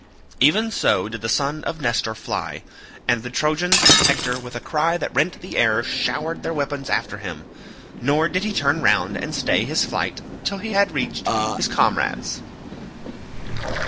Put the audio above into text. Even so did the son of Nestor fly, and the Trojans and Hector with a cry that rent the air showered their weapons after him; nor did he turn round and stay his flight till he had reached his comrades.